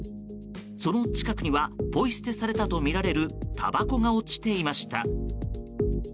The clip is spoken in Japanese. その近くにはポイ捨てされたとみられるたばこが落ちていました。